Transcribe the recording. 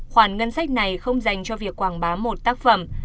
khoản ngân sách này không dành cho việc quảng bá một tác phẩm